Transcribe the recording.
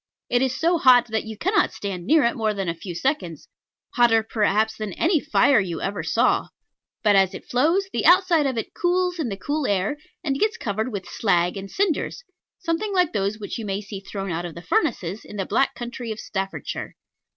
It is so hot that you cannot stand near it more than a few seconds; hotter, perhaps, than any fire you ever saw: but as it flows, the outside of it cools in the cool air, and gets covered with slag and cinders, something like those which you may see thrown out of the furnaces in the Black Country of Staffordshire.